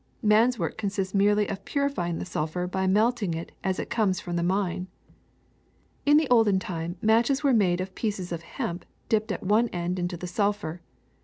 Man's work consists merely in purifying the sulphur by melting it as it comes from the mine. In the olden time matches were made of pieces of hemp dipped at one end into sulphur.